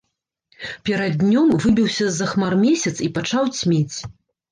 Перад днём выбіўся з-за хмар месяц і пачаў цьмець.